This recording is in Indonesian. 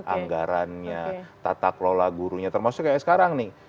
anggarannya tatak lola gurunya termasuk kayak sekarang nih